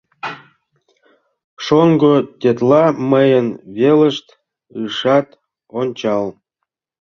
Шоҥго тетла мыйын велыш ышат ончал.